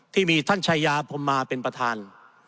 ที่มีท่านชายาพรมมาเป็นประธาน